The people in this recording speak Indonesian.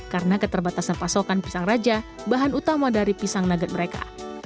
karena keterbatasan pasokan pisang raja bahan utama dari pisang nugget mereka